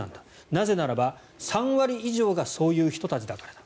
なぜならば３割以上がそういう人たちだからだ